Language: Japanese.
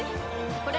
これ！